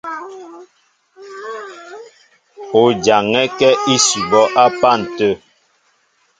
O jaŋɛ́kɛ́ ísʉbɔ́ á pân tə̂.